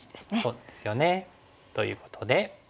そうですよね。ということで。